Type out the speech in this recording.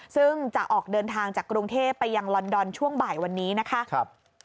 ซึ่งจะออกเดินทางจากกรุงเทพไปยังลอนดอนช่วงบ่ายวันนี้นะคะ